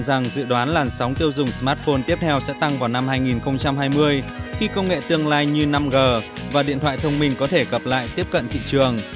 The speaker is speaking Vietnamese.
garts dự đoán làn sóng tiêu dùng smartphone tiếp theo sẽ tăng vào năm hai nghìn hai mươi khi công nghệ tương lai như năm g và điện thoại thông minh có thể gặp lại tiếp cận thị trường